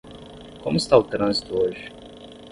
Como está o trânsito hoje?